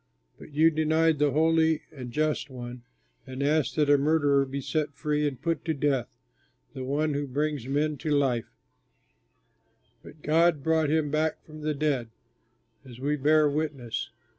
But you denied the Holy and Just One and asked that a murderer be set free and put to death the One who brings life to men! But God brought him back from the dead, as we bear witness.